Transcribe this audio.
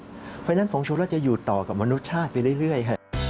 เพราะฉะนั้นฟองชุระจะอยู่ต่อกับมนุษย์ชาติไปเรื่อย